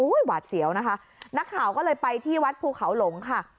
หวาดเสียวนะคะนักข่าวก็เลยไปที่วัดภูเขาหลงค่ะ